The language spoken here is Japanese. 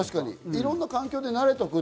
いろんな環境で慣れておく。